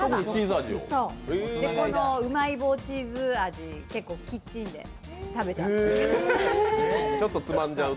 このうまい棒チーズ味、結構キッチンで食べちゃう。